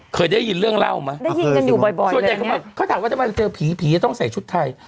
เคยได้ยินเรื่องเล่ามาได้ยินกันอยู่บ่อยบ่อยเลยเนี้ยส่วนใหญ่เขาบอกเขาถามว่าจะมาเจอผีผีจะต้องใส่ชุดไทย